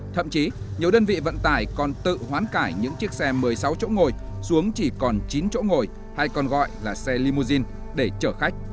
thậm chí nhiều đơn vị vận tải còn tự hoán cải những chiếc xe một mươi sáu chỗ ngồi xuống chỉ còn chín chỗ ngồi hay còn gọi là xe limousine để chở khách